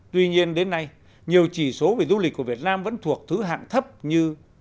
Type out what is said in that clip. tuy nhiên đến nay nhiều chỉ số về du lịch của việt nam vẫn thuộc thứ hạng thấp như